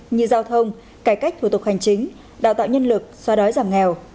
như giao thông cải cách thủ tục hành chính đào tạo nhân lực xoa đói giảm nghèo